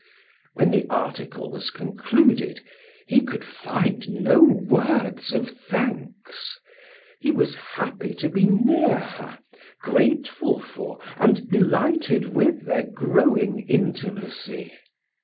When the article was concluded, he could find no words of thanks; he was happy to be near her, grateful for and delighted with their growing intimacy.